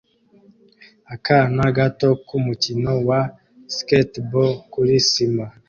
Akana gato k'umukino wa skatebo kuri sima